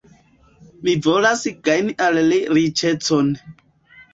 Mi volas gajni al li riĉecon.